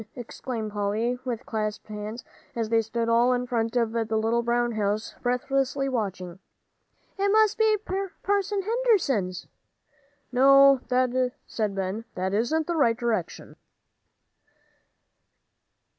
exclaimed Polly, with clasped hands, as they all stood in front of the little brown house, breathlessly watching, "it must be Parson Henderson's." "No," said Ben, "that isn't the right direction."